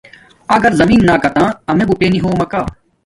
اگر زمین نا کاتہ امیے بوٹے نی ہوم ما کا